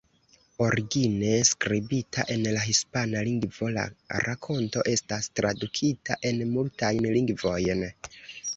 Origine skribita en la hispana lingvo, la rakonto estas tradukita en multajn lingvojn.